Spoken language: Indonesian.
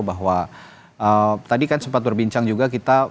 bahwa tadi kan sempat berbincang juga kita